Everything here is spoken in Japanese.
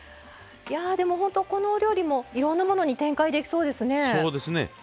でも、本当このお料理もいろんなものに展開できそうですね。